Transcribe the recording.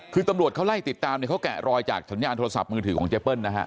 คือตำรวจเขาไล่ติดตามเนี่ยเขาแกะรอยจากสัญญาณโทรศัพท์มือถือของเจเปิ้ลนะฮะ